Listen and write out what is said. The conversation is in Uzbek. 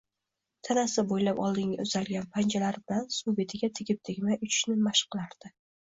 tanasi bo‘ylab oldinga uzalgan panjalari bilan suv betiga tegib-tegmay uchishni mashq qilardi.